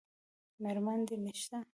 میرمن دې نشته؟